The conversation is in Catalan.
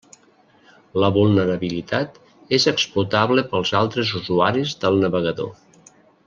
La vulnerabilitat és explotable pels altres usuaris del navegador.